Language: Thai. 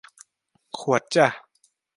ขวดจ้ะ